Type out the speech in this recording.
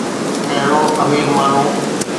ڪهڙو امير ماڻهو.